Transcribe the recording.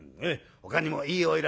ほかにもいい花魁